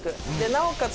なおかつ